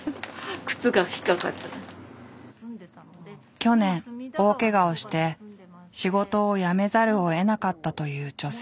去年大けがをして仕事を辞めざるをえなかったという女性。